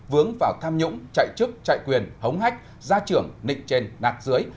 vướng vào tham nhũng chạy chức chạy quyền hống hách gia trưởng nịnh trên nạc dưới